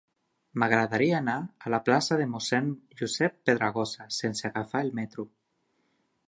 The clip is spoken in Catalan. M'agradaria anar a la plaça de Mossèn Josep Pedragosa sense agafar el metro.